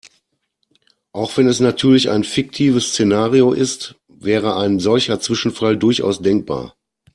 Auch wenn es natürlich ein fiktives Szenario ist, wäre ein solcher Zwischenfall durchaus denkbar.